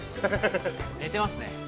◆寝てますね。